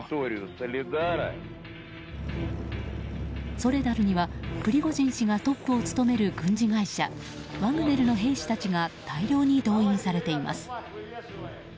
ソレダルにはプリゴジン氏がトップを務める軍事会社ワグネルの兵士たちが大量に動員されています。